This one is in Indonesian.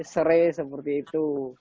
sere seperti itu